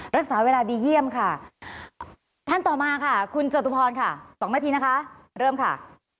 รักษาเวลาดีเยี่ยมค่ะท่านต่อมาค่ะคุณจตุพรค่ะ๒นาทีนะคะเริ่มค่ะ